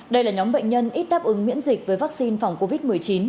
đây là nhóm bệnh nhân ít đáp ứng miễn dịch với vaccine phòng covid một mươi chín